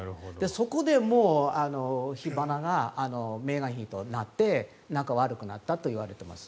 そこでもう、火花がメーガン妃となって仲が悪くなったと言われています。